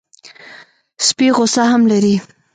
سپي غصه هم لري.